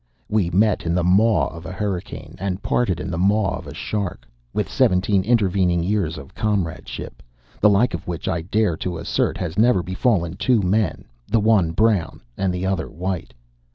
We met in the maw of a hurricane, and parted in the maw of a shark, with seventeen intervening years of comradeship, the like of which I dare to assert has never befallen two men, the one brown and the other white.